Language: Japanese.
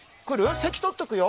席取っとくよ。